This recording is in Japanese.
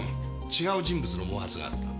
違う人物の毛髪があった。